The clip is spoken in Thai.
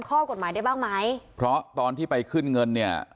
ข้อกฎหมายได้บ้างไหมเพราะตอนที่ไปขึ้นเงินเนี่ย